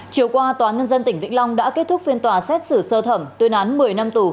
chiều qua tòa nhân dân tỉnh vĩnh long đã kết thúc phiên tòa xét xử sơ thẩm tuyên án một mươi năm tù